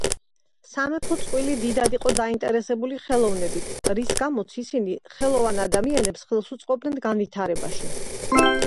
სამეფო წყვილი დიდად იყო დაინტერესებული ხელოვნებით, რის გამოც ისინი ხელოვან ადამიანებს ხელს უწყობდნენ განვითარებაში.